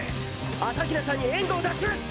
朝日奈さんに援護を出します！